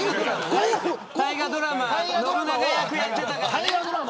大河ドラマで信長役をやっていたから。